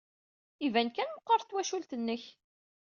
Iban kan meɣɣret twacult-nnek.